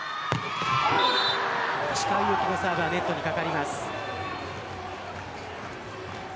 石川祐希のサーブはネットに掛かります。